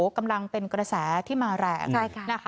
กำลังเป็นกระแสที่มาแรง